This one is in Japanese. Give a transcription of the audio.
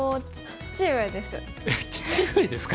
父上です。